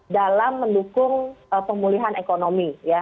dalam mendukung pemulihan ekonomi